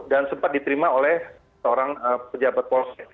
dan sempat diterima oleh seorang pejabat polsek